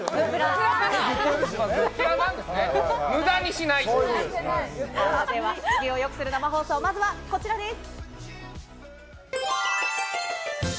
地球をよくする生放送、まずはこちらです。